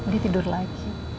dia tidur lagi